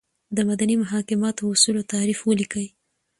دمدني محاکماتو اصولو تعریف ولیکئ ؟